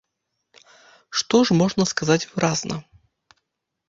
Што ж можна сказаць выразна?